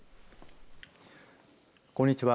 こんにちは。